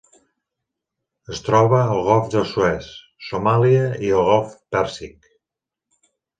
Es troba al Golf de Suez, Somàlia i el Golf Pèrsic.